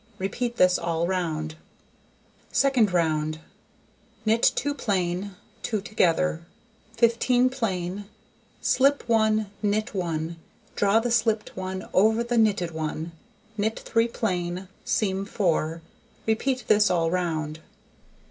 Repeat this all round. Second round: Knit 2 plain, 2 together, 15 plain, slip 1, knit 1, draw the slipped one over the knitted one, knit 3 plain, seam 4. Repeat this all round.